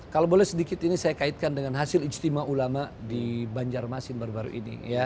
kalau boleh sedikit ini saya kaitkan dengan hasil ijtima ulama di banjarmasin baru baru ini